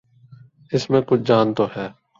اس میں کچھ جان تو ہے۔